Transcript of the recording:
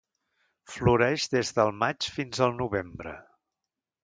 Floreix des del maig fins al novembre.